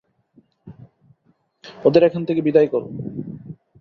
ওদের এখান থেকে বিদায় করো।